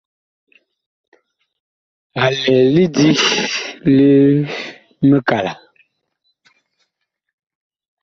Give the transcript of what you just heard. A lɛ lidi li mikala.